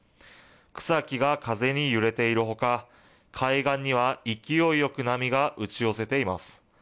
草木が風に揺れているほか、海岸には勢いよく波が打ち寄せています。